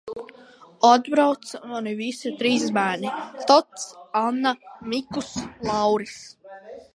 Atbrauca mani visi trīs bērni Tots, Anna, Mikus, Lauris.